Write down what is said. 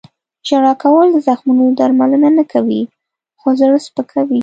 • ژړا کول د زخمونو درملنه نه کوي، خو زړه سپکوي.